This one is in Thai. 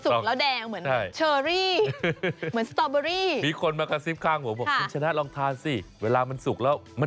ตอนสุกแล้วแดงเหมือนเชอรี่เหมือนสตอบเบอรี่